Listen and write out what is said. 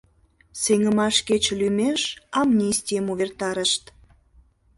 Сеҥымаш кече лӱмеш амнистийым увертарышт.